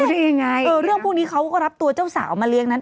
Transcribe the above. เอ๊ะเรื่องพวกนี้เขาก็รับตัวเจ้าสาวมาเลี้ยงนั้น